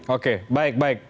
oke baik baik